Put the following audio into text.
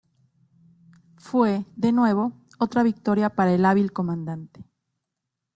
Fue, de nuevo, otra victoria para el hábil comandante.